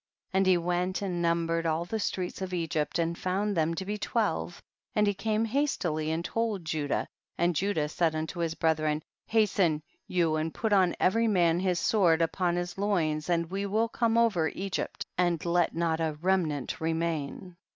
37. And he went and numbered all the streets of Egypt, and found them to be twelve, and he came hastily and told Judah, and Judah said unto his brethren, hasten you and put on every man his sword up on his loins and we will come over Egypt, and smite them all, and let not a remnant remain.